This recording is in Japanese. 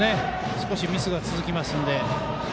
少しミスが続きますので。